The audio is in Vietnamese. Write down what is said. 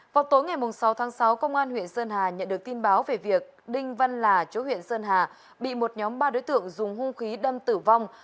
vào tối ngày sáu tháng sáu công an huyện sơn hà nhận được tin báo về việc đinh văn là chỗ huyện sơn hà bị một nhóm ba đối tượng dùng hung khí đâm tử vong